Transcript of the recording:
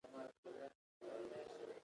سور رنګ ښایسته دی.